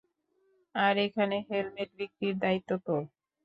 আর এখানে হেলমেট বিক্রির দায়িত্ব তোর।